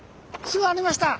巣がありました！